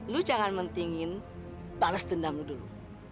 lu jangan mengingat balas dendam lu dulu